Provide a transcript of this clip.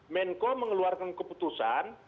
menko mengeluarkan keputusan